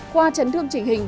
khoa chấn thương chỉnh hình